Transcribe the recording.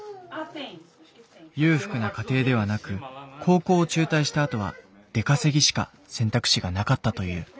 裕福な家庭ではなく高校を中退したあとは出稼ぎしか選択肢がなかったという。